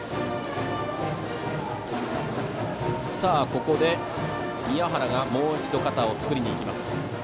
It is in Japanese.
ここで宮原がもう一度、肩を作りにいきます。